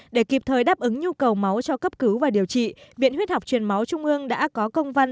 để kịp thời đáp ứng nhu cầu máu cho cấp cứu và điều trị viện huyết học truyền máu trung ương đã có công văn